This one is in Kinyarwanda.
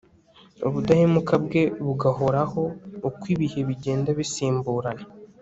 ubudahemuka bwe bugahoraho uko ibihe bigenda bisimburana